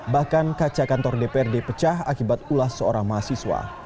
bahkan kaca kantor dprd pecah akibat ulas seorang mahasiswa